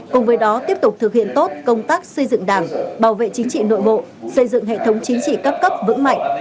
cùng với đó tiếp tục thực hiện tốt công tác xây dựng đảng bảo vệ chính trị nội bộ xây dựng hệ thống chính trị cấp cấp vững mạnh